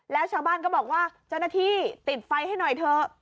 แล้วชาวบ้านก็บอกว่าเจ้าหน้าที่ติดไฟให้หน่อยเถอะ